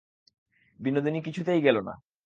বিনোদিনী কিছুতেই গেল না।